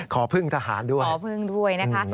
ขอพึ่งทหารด้วย